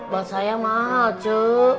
buat saya mahal cu